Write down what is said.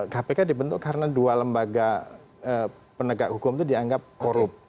kpk dibentuk karena dua lembaga penegak hukum itu dianggap korup